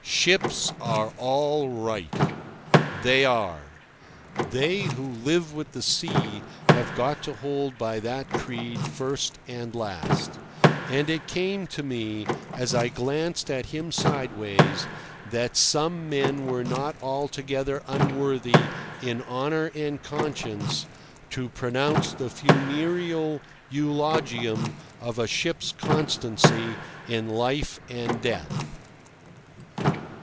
"Ships are all right." They are. They who live with the sea have got to hold by that creed first and last; and it came to me, as I glanced at him sideways, that some men were not altogether unworthy in honour and conscience to pronounce the funereal eulogium of a ship's constancy in life and death.